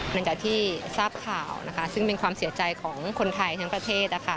หลังจากที่ทราบข่าวนะคะซึ่งเป็นความเสียใจของคนไทยทั้งประเทศ